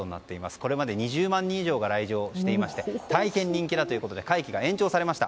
これまで２０万人以上が来場していまして大変人気だということで会期が延長されました。